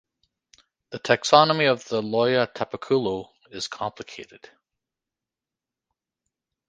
The taxonomy of the Loja tapaculo is complicated.